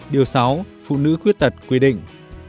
điều sáu phụ nữ khuyết tật quy định